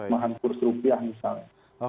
makan kurs rupiah misalnya